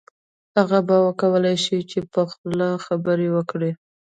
هغه به وکولای شي چې په خوله خبرې وکړي